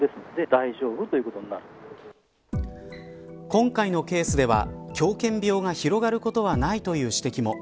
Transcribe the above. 今回のケースでは狂犬病が広がることはないという指摘も。